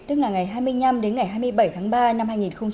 tức là ngày hai mươi năm đến ngày hai mươi bảy tháng ba năm hai nghìn một mươi sáu